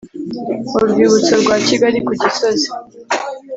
Urwibutso Rwa kigali ku gisozi